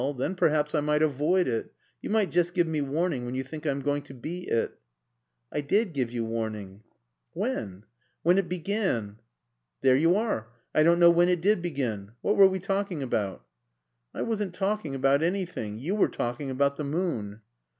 Then perhaps I might avoid it. You might just give me warning when you think I'm going to be it." "I did give you warning." "When?" "When it began." "There you are. I don't know when it did begin. What were we talking about?" "I wasn't talking about anything. You were talking about the moon."